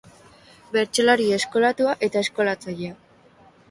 Bertsolari eskolatua eta eskolatzailea.